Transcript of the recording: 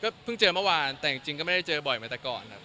เพิ่งเจอเมื่อวานแต่จริงก็ไม่ได้เจอบ่อยเหมือนแต่ก่อนครับ